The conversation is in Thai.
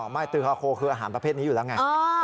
ตือฮาโคคืออาหารประเภทนี้อยู่แล้วไง